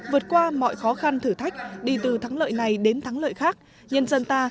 vượt qua mọi khó khăn thử thách đi từ thắng lợi này đến thắng lợi khác nhân dân ta